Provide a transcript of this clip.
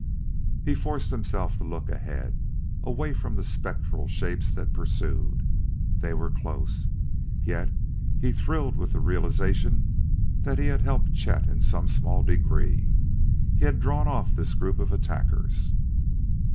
He forced himself to look ahead, away from the spectral shapes that pursued. They were close, yet he thrilled with the realization that he had helped Chet in some small degree: he had drawn off this group of attackers.